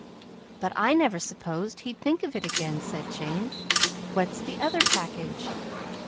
But I never supposed he'd think of it again," said Jane. "What's the other package?"